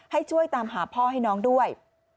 ให้ช่วยตามหาพ่อให้น้องด้วย